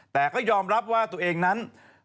แต่ก็ยอมรับว่าตัวเองนั้น